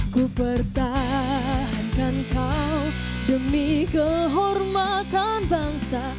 ku pertahankan kau demi kehormatan bangsa